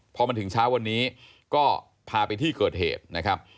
พอมันถึงเช้าวันนี้ก็พาไปที่เกิดเหตุนะครับ